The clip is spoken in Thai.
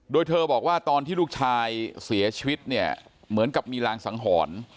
โดยเธอบอกว่าตอนที่ลูกชายเสียชีวิตเนี่ยเหมือนกับมีรางสังหรณ์